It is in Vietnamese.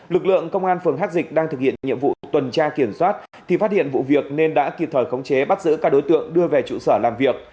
lực lượng công an phường hắc dịch đang thực hiện nhiệm vụ tuần tra kiểm soát thì phát hiện vụ việc nên đã kịp thời khống chế bắt giữ các đối tượng đưa về trụ sở làm việc